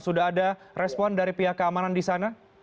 sudah ada respon dari pihak keamanan di sana